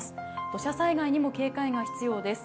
土砂災害にも警戒が必要です。